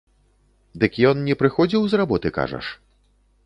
Дык ён не прыходзіў з работы, кажаш?